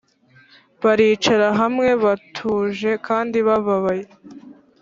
baricara hamwe, batuje kandi bababaye,